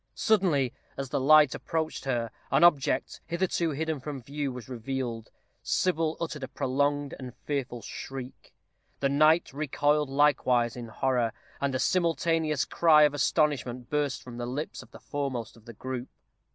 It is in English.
Suddenly, as the light approached her, an object, hitherto hidden from view, was revealed. Sybil uttered a prolonged and fearful shriek; the knight recoiled likewise in horror; and a simultaneous cry of astonishment burst from the lips of the foremost of the group.